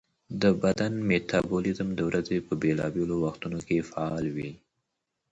د بدن میټابولیزم د ورځې په بېلابېلو وختونو کې فعال وي.